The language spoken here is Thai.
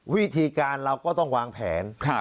วิธีการเราก็ต้องวางแผน